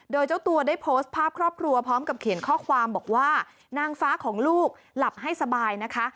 โดยเจ้าตัวได้โพสต์ภาพครอบครัวพร้อมกับเขียนข้อความบอกว่านางฟ้าของลูกหลับให้สบายนะคะ